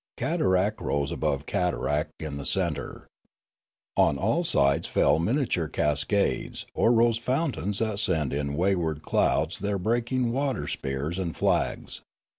Cataract rose above cataract in the centre. On all sides fell miniature cascades, or rose fountains that sent in wayward clouds their break ing water spears and flags.